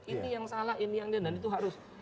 ini yang salah ini yang dia dan itu harus